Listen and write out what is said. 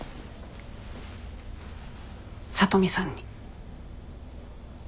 聡美さんに。